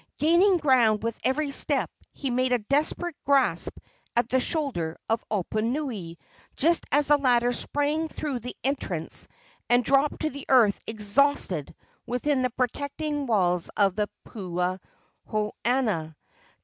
Gaining ground with every step, he made a desperate grasp at the shoulder of Oponui just as the latter sprang through the entrance and dropped to the earth exhausted within the protecting walls of the puhonua.